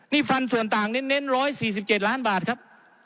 นี่ฟันส่วนต่างเน้น๑๔๗ล้านบาทครับ